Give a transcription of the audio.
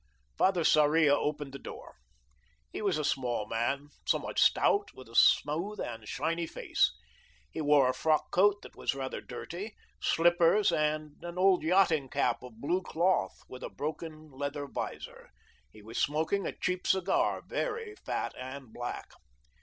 Father Sarria opened the door. He was a small man, somewhat stout, with a smooth and shiny face. He wore a frock coat that was rather dirty, slippers, and an old yachting cap of blue cloth, with a broken leather vizor. He was smoking a cheap cigar, very fat and black.